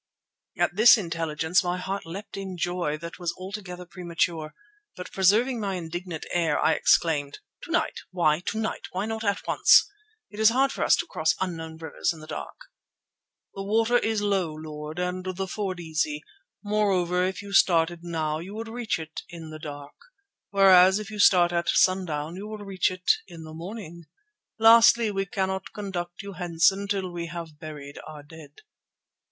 At this intelligence my heart leapt in joy that was altogether premature. But, preserving my indignant air, I exclaimed: "To night! Why to night? Why not at once? It is hard for us to cross unknown rivers in the dark." "The water is low, Lord, and the ford easy. Moreover, if you started now you would reach it in the dark; whereas if you start at sundown, you will reach it in the morning. Lastly, we cannot conduct you hence until we have buried our dead."